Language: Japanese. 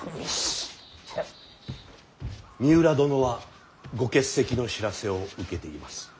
三浦殿はご欠席の知らせを受けています。